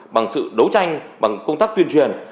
bằng sự đấu tranh bằng công tác tuyên truyền